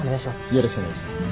よろしくお願いします。